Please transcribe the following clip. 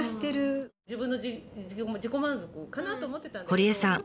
堀江さん